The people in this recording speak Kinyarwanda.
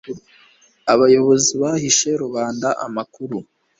abayobozi bahishe rubanda amakuru